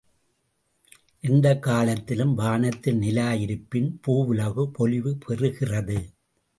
எந்தக் காலத்திலும், வானத்தில் நிலா இருப்பின் பூவுலகு பொலிவு பெறுகிறது.